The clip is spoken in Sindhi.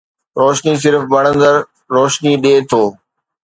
روشني صرف ٻرندڙ روشني ڏئي ٿو